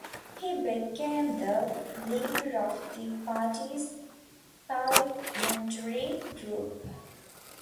He became the leader of the party's parliamentary group.